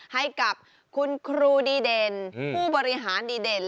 ให้กับคุณครูดีเด่นผู้บริหารดีเด่น